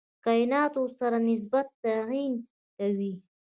کایناتو سره نسبت تعیین کوي.